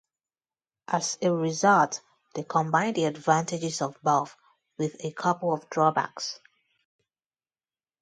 As a result, they combine the advantages of both, with a couple of drawbacks.